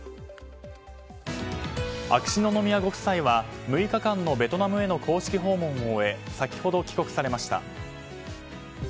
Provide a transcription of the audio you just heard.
秋篠宮ご夫妻は６日間のベトナムへの公式訪問を終え先ほど、帰国されました。